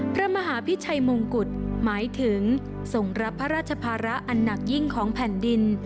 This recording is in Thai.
พระมหาพิชัยมงกุฎหมายถึงส่งรับพระราชภาระอันหนักยิ่งของแผ่นดิน